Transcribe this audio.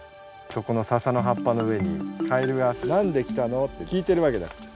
そこのササのはっぱの上にカエルが「なんで来たの？」て聞いてるわけだ。